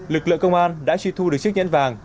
lực lượng công an đã truy thu được chiếc nhẫn vàng